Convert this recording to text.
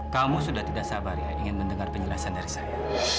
kamu sudah tidak sabar ya ingin mendengar penjelasan dari saya